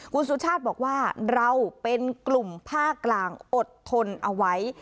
คุณสุชาติบอกว่าเราเป็นกลุ่มภาคกลางอดทนเอาไว้